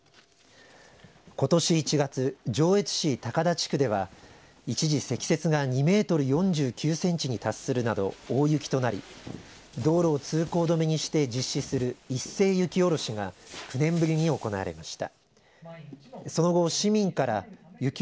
ことし１月上越市高田地区では一時、積雪が２メートル４９センチに達するなど大雪となり道路を通行止めにして実施する一斉雪下ろしが９年ぶりに行われました。